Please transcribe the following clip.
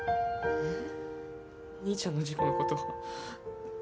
えっ